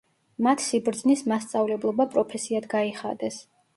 მათ სიბრძნის მასწავლებლობა პროფესიად გაიხადეს.